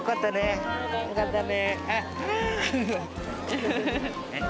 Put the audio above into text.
よかったね！